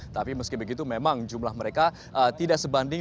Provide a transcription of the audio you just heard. tapi meski begitu memang jumlah mereka tidak sebanding